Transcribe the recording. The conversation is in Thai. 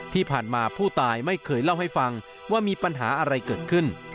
ที่ผ่านมาผู้ตายไม่เคยเล่าให้ฟังว่ามีปัญหาอะไรเกิดขึ้น